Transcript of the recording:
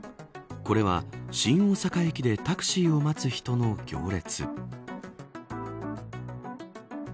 これは新大阪駅でタクシーを待つ人の行列。